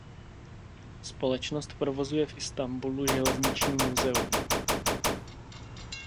Společnost provozuje v Istanbulu železniční muzeum.